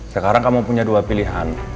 sekarang kamu punya dua pilihan